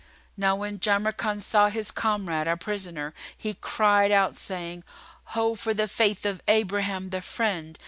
Now when Jamrkan saw his comrade a prisoner, he cried out, saying, "Ho for the Faith of Abraham the Friend!"